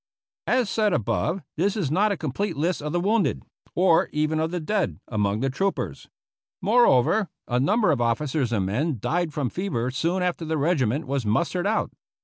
As said above, this is not a complete list of the wounded, or even of the dead, among the troopers. Moreover, a number of officers and men died from fever soon after the regiment was mustered out.